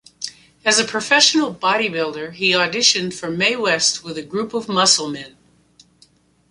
As a professional bodybuilder, he auditioned for Mae West with a group of musclemen.